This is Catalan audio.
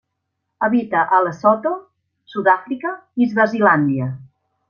Habita a Lesotho, Sud-àfrica i Swazilàndia.